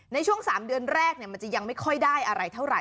ในช่วง๓เดือนแรกมันจะยังไม่ค่อยได้อะไรเท่าไห